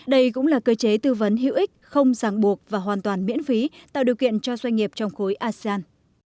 đây cũng là cơ chế tư vấn hữu ích không giảng buộc và hoàn toàn miễn phí tạo điều kiện cho doanh nghiệp trong khối asean